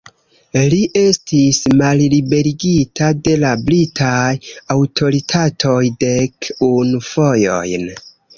Li estis malliberigita de la britaj aŭtoritatoj dek unu fojojn.